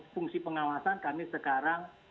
fungsi pengawasan kami sekarang